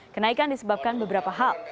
kenaikan disebabkan beberapa hal